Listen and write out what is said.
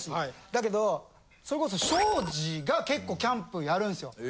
だけどそれこそ庄司が結構キャンプやるんすよ。